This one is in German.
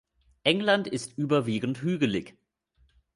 England ist überwiegend hügelig.